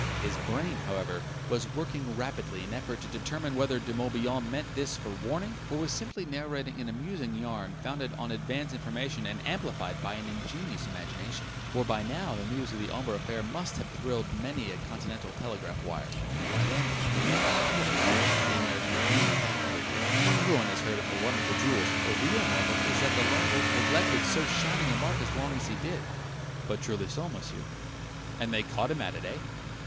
His brain, however, was working rapidly in effort to determine whether De Morbihan meant this for warning, or was simply narrating an amusing yarn founded on advance information and amplified by an ingenious imagination. For by now the news of the Omber affair must have thrilled many a Continental telegraph wire.... "Madame Omber of course!" the American agreed thoughtfully. "Everyone has heard of her wonderful jewels. The real marvel is that the Lone Wolf neglected so shining a mark as long as he did." "But truly so, monsieur!" "And they caught him at it, eh?"